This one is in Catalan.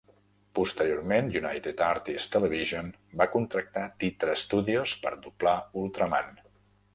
Posteriorment United Artists Television va contractar Titra Studios per doblar "Ultraman".